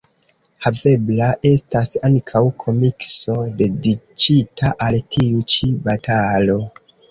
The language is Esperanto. Havebla estas ankaŭ komikso dediĉita al tiu ĉi batalo.